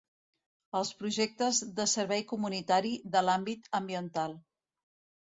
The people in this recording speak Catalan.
Els projectes de servei comunitari de l'àmbit ambiental.